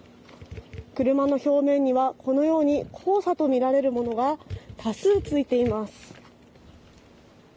車の表面には、このように黄砂とみられるものが多数付いています。